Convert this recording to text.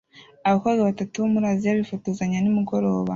Abakobwa batatu bo muri Aziya bifotozanya nimugoroba